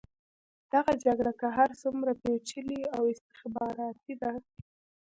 دغه جګړه که هر څومره پېچلې او استخباراتي ده.